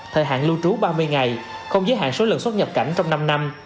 thời hạn lưu trú ba mươi ngày không giới hạn số lần xuất nhập cảnh trong năm năm